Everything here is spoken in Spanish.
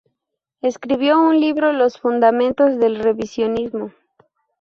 Escribió un libro los fundamentos del revisionismo.